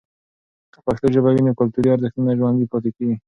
که پښتو ژبه وي، نو کلتوري ارزښتونه ژوندۍ پاتې کیږي.